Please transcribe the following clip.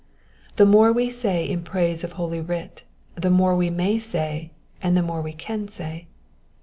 The more we say in praise of holy writ, the more we may say and the more we can say.